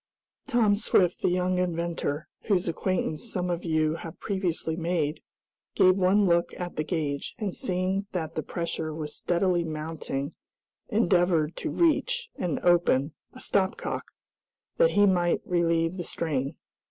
Tom Swift, the young inventor, whose acquaintance some of you have previously made, gave one look at the gauge, and seeing that the pressure was steadily mounting, endeavored to reach, and open, a stop cock, that he might relieve the strain.